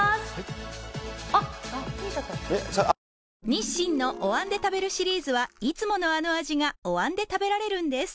日清のお椀で食べるシリーズはいつものあの味がお椀で食べられるんです